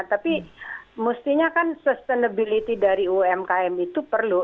tapi mestinya kan sustainability dari umkm itu perlu